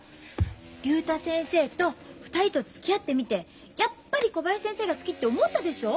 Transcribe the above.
竜太先生と２人とつきあってみてやっぱり小林先生が好きって思ったでしょ？